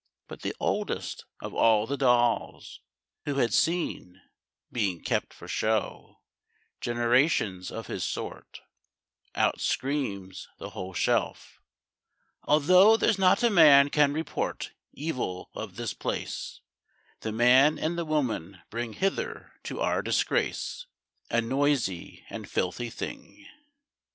But the oldest of all the dolls Who had seen, being kept for show, Generations of his sort, Out screams the whole shelf: 'Although There's not a man can report Evil of this place, The man and the woman bring Hither to our disgrace, A noisy and filthy thing.'